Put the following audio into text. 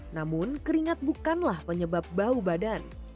namun keringat bukanlah penyebab bau badan